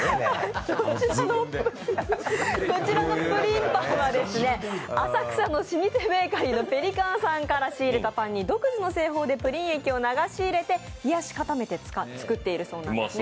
こちらのプリンパンは浅草の老舗ベーカリー・ペリカンから仕入れたパンに独自の製法でプリン液を流し入れて冷やし固めて作っているそうなんですね。